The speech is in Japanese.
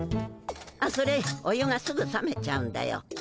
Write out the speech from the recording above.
あっそれお湯がすぐさめちゃうんだよ。